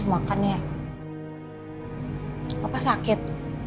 terima kasih dah sakit